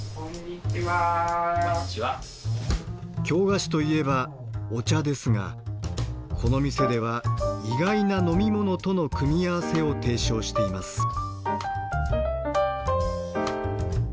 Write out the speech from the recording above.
京菓子といえばお茶ですがこの店では意外な飲み物との組み合わせを提唱しています。